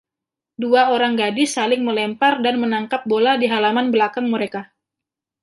Dua orang gadis saling melempar dan menangkap bola di halaman belakang mereka.